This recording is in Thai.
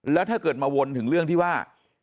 แล้วถ้าเกิดมาวนถึงเรื่องที่ว่า